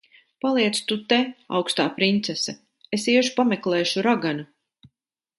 Paliec tu te, augstā princese. Es iešu pameklēšu raganu.